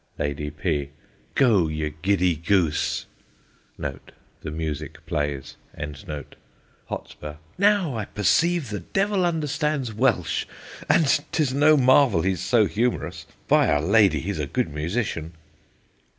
Lady P. Go, ye giddy goose. [The music plays. Hot. Now I perceive, the devil understands Welsh; And 't is no marvel' he's so humorous, By'r lady, he's a good musician.